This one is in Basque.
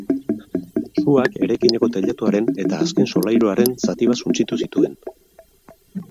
Suak eraikineko teilatuaren eta azken solairuaren zati bat suntsitu zituen.